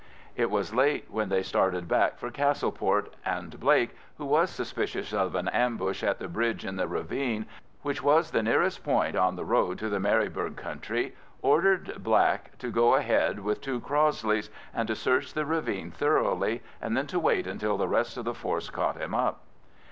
It was late when they started back for Castleport, and Blake, who was suspicious of an ambush at the bridge in the ravine, which was the nearest point on the road to the Maryburgh country, ordered Black to go ahead with two Crossleys, and to search the ravine thoroughly, and then to wait until the rest of the force caught him up.